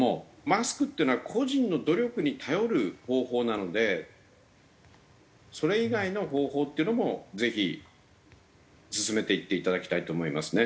マスクっていうのは個人の努力に頼る方法なのでそれ以外の方法っていうのもぜひ進めていっていただきたいと思いますね。